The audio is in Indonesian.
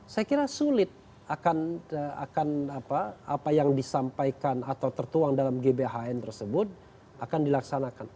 saya kira sulit akan apa yang disampaikan atau tertuang dalam gbhn tersebut akan dilaksanakan